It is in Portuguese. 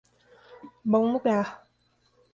Bom Lugar